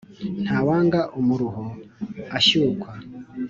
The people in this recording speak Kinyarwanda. Ntawanga umuruho ashyukwa.